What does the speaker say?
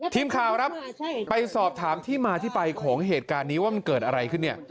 ทีมข่าวครับไปสอบถามที่มาที่ไปของเหตุการณ์นี้ว่ามันเกิดอะไรขึ้นเนี่ย